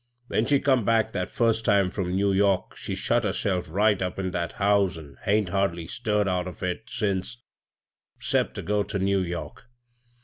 When she come back that first time from New York she shut herself right up in that house an' hain't hardly stirred out of it since — 'cept ter go ter New York.